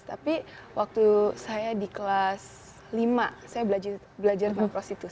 tapi waktu saya di kelas lima saya belajar tentang prostitusi